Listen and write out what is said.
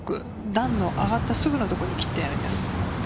段の上がったすぐのところに切ってあります。